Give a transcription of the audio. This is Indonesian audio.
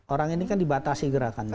orang ini kan dibatasi gerakannya